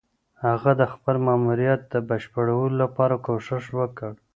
هغه د خپل ماموريت د بشپړولو لپاره کوښښ وکړ.